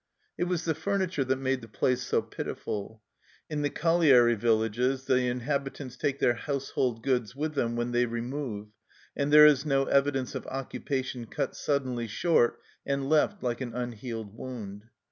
It was the furniture that made the place so pitiful. In the colliery villages the inhabitants take their household goods with them when they remove, and there is no evidence of occupation cut suddenly short and left like an unhealed wound.